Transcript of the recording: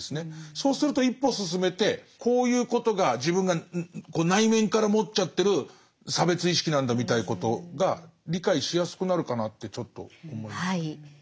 そうすると一歩進めてこういうことが自分がこう内面から持っちゃってる差別意識なんだみたいなことが理解しやすくなるかなってちょっと思いました。